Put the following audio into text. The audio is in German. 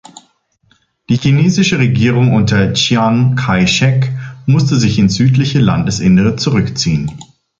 Die chinesische Regierung unter Chiang Kai-shek musste sich ins südliche Landesinnere zurück ziehen.